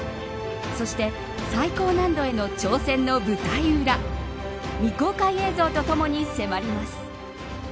そして最高難度への挑戦の舞台裏未公開映像とともに迫ります。